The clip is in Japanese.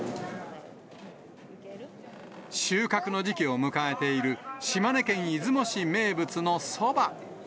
収穫の時期を迎えている島根県出雲市名物のそば。